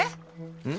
うん？